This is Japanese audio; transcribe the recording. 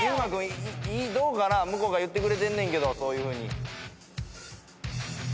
向こうが言ってくれてんねんけどそういうふうに。